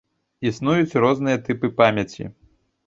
Існуюць розныя тыпы памяці.